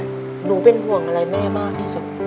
หนูเป็นห่วงอะไรแม่มากที่สุด